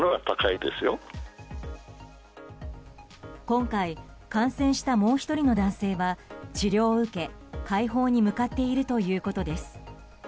今回、感染したもう１人の男性は治療を受け快方に向かっているということです。